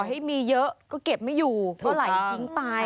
ให้มีเยอะก็เก็บไม่อยู่ก็ไหลทิ้งไป